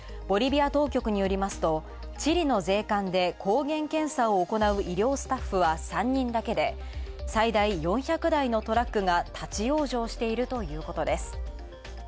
ボリビア当局によりますとチリの税関で抗原検査を行う医療スタッフは３人だけで最大４００台のトラックが立往生しているということです。